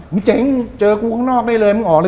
มึงเจ๋งเจอกรูข้างนอกไม่ได้เลยมึงออกละ